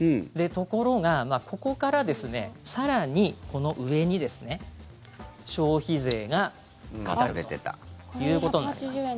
ところが、ここから更にこの上に消費税が課されるということになります。